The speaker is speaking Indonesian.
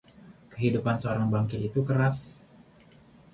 Kehidupan seorang bankir itu keras.